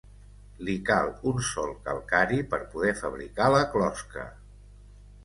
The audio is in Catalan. Li cal un sòl calcari per poder fabricar la closca.